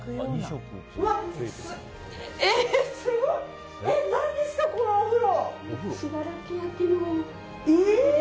すごい！え、何ですか、このお風呂。